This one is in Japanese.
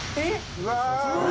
うわ！